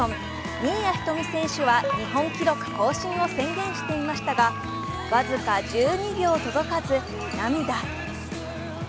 新谷仁美選手は日本記録更新を宣言していましたが、僅か１２秒届かず涙。